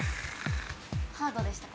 ハードでしたか？